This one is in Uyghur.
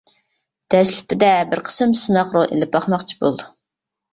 دەسلىپىدە بىر قىسىم سىناق رول ئېلىپ باقماقچى بولىدۇ.